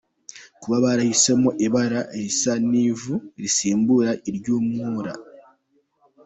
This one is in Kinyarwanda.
Kuba barahisemo ibara risa n’ivu risimbura iry’umwura.